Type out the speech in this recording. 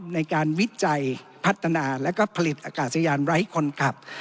ในการวิจัยพัฒนาและผลิตอากาศยานไร้คนขับ